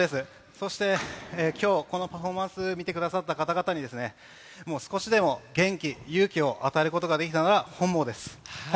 そして、きょう、このパフォーマンス見てくださった方々に、もう少しでも元気、勇気を与えることができたなら、本望です。